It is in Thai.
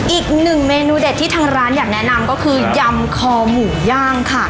อีกหนึ่งเมนูเด็ดที่ทางร้านอยากแนะนำก็คือยำคอหมูย่างค่ะ